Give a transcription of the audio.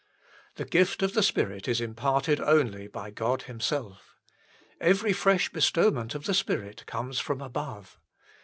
The gift of the Spirit is imparted only by God Himself. Every fresh bestowment of the Spirit comes from above.